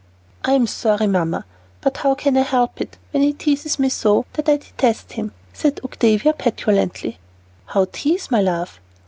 "I'm sorry, Mamma. But how can I help it, when he teases me so that I detest him?" said Octavia, petulantly. "How tease, my love?"